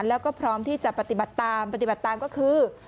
แล้วก็พร้อมที่จะปฏิบัติตามปฏิบัติตามก็คือ